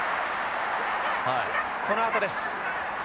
このあとです。